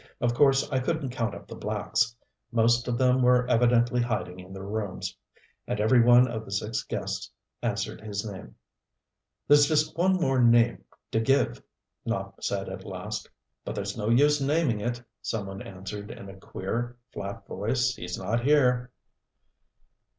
Of course I couldn't count up the blacks. Most of them were evidently hiding in their rooms. And every one of the six guests answered his name. "There's just one more name to give," Nopp said at last. "But there's no use naming it," some one answered in a queer, flat voice. "He's not here."